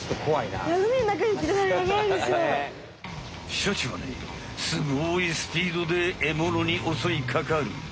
シャチはねすごいスピードでえものにおそいかかる。